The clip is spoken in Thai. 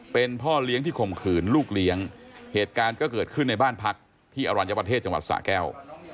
เป็นพ่อเลี้ยงที่ข่มขืนลูกเลี้ยงเหตุการณ์ก็เกิดขึ้นในบ้านพักที่อรัญญประเทศจังหวัดสะแก้ว